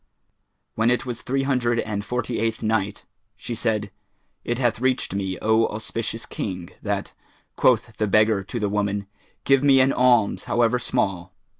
When it was Three Hundred and Forty eighth Night She said, It hath reached me, O auspicious King, that, quoth the beggar to the woman, "Give me an alms however small."